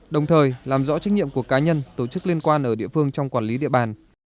đồng thời làm rõ trách nhiệm của cá nhân tổ chức liên quan ở địa phương trong quản lý địa bàn